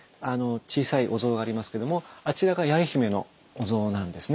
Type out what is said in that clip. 小さいお像がありますけどもあちらが八重姫のお像なんですね。